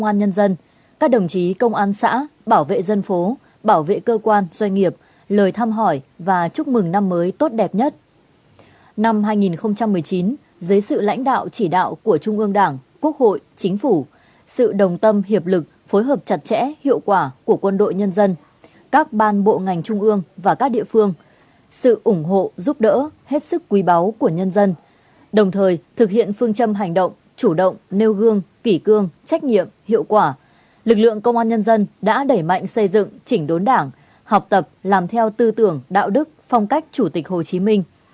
năm hai nghìn một mươi chín dưới sự lãnh đạo chỉ đạo của trung ương đảng quốc hội chính phủ sự đồng tâm hiệp lực phối hợp chặt chẽ hiệu quả của quân đội nhân dân các ban bộ ngành trung ương và các địa phương sự ủng hộ giúp đỡ hết sức quý báu của nhân dân đồng thời thực hiện phương châm hành động chủ động nêu gương kỷ cương trách nhiệm hiệu quả lực lượng công an nhân dân đã đẩy mạnh xây dựng chỉnh đốn đảng học tập làm theo tư tưởng đạo đức phong cách chủ tịch hồ chí minh